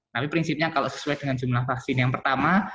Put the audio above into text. tapi prinsipnya kalau sesuai dengan jumlah vaksin yang pertama